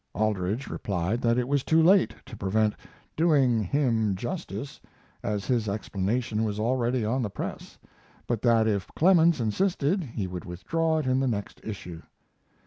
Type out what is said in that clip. Aldrich replied that it was too late to prevent "doing him justice," as his explanation was already on the press, but that if Clemens insisted he would withdraw it in the next issue.